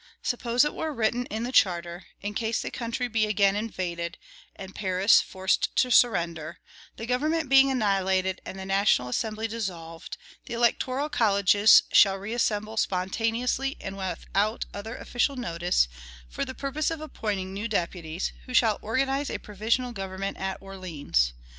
Suppose it were written in the charter, "In case the country be again invaded, and Paris forced to surrender, the government being annihilated and the national assembly dissolved, the electoral colleges shall reassemble spontaneously and without other official notice, for the purpose of appointing new deputies, who shall organize a provisional government at Orleans.